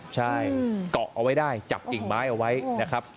ใช่เกาะเอาไว้ได้จับกิ่งไม้เอาไว้นะครับ